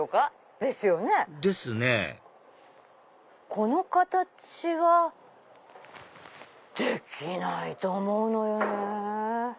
この形はできないと思うのよね。